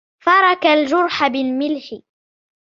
فرك الجرح بالملح.